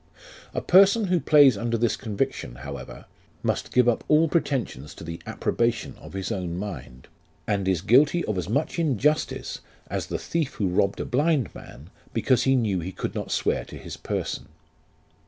A person who plays under this conviction, however, must give up all pretensions to the approbation of his own mind, and is guilty of as much injustice as the thief who robbed a blind man because he knew he could not swear to his person.